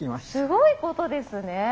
すごいことですね。